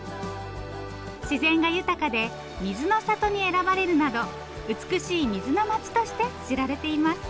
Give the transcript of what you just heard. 自然が豊かで水の郷に選ばれるなど美しい水の町として知られています。